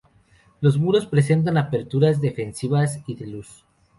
Los muros presentan aperturas defensivas y de luz.